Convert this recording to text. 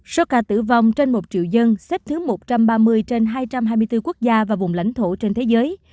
số ca tử vong trên một triệu dân xếp thứ một trăm ba mươi trên hai trăm hai mươi bốn quốc gia và vùng lãnh thổ trên thế giới